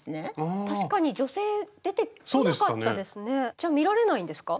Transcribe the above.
じゃあ見られないんですか？